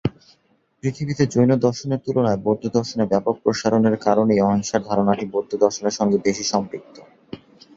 পৃথিবীতে জৈনদর্শনের তুলনায় বৌদ্ধদর্শনে ব্যাপক প্রসারের কারণেই অহিংসার ধারণাটি বৌদ্ধদর্শনের সঙ্গে বেশি সম্পৃক্ত।